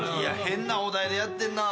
変なお題でやってんな。